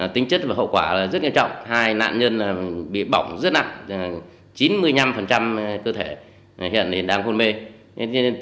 tính chất và hậu quả là rất nghiêm trọng hai nạn nhân bị bỏng rất nặng chín mươi năm cơ thể hiện đang hôn mê